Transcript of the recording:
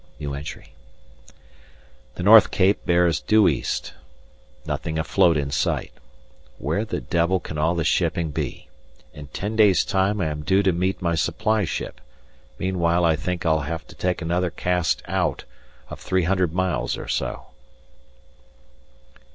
The North Cape bears due east. Nothing afloat in sight. Where the devil can all the shipping be? In ten days' time I am due to meet my supply ship; meanwhile I think I'll have to take another cast out, of three hundred miles or so.